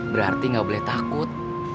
berarti gak boleh takut